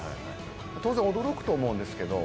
当然驚くと思うんですけど。